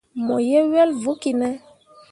Mo ye wel vokki ne.